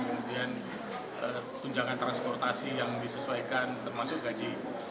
kemudian tunjangan transportasi yang disesuaikan termasuk gaji